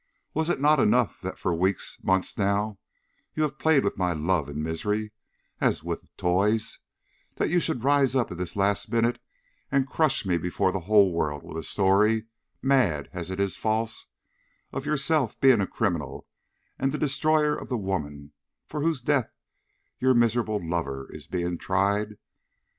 Was it not enough that for weeks, months now, you have played with my love and misery as with toys, that you should rise up at the last minute and crush me before the whole world with a story, mad as it is false, of yourself being a criminal and the destroyer of the woman for whose death your miserable lover is being tried?